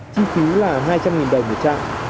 chi phí là hai trăm linh đồng một trang